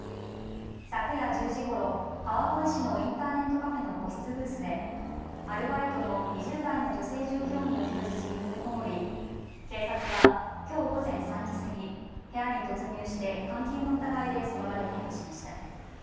昨夜１０時ごろ、川越市のインターネットカフェの個室ブースでアルバイトの２０代の女性従業員を人質に立てこもり、警察はきょう午前３時過ぎ、部屋に突入して監禁の疑いでその場で逮捕しました。